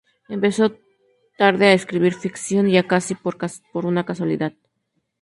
Empezó tarde a escribir ficción y "casi por una casualidad".